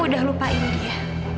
aku udah lupain dia